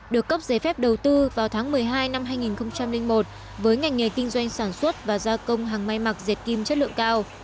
được cấp giấy phép đầu tư vào tháng một mươi hai năm hai nghìn một với ngành nghề kinh doanh sản xuất và gia công hàng may mặc diệt kim chất lượng cao